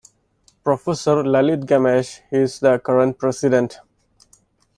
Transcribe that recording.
Professor Lalith Gamage is the current President.